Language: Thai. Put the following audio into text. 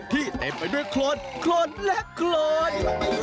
เต็มไปด้วยโครนโครนและโครน